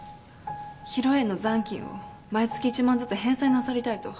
披露宴の残金を毎月１万ずつ返済なさりたいと。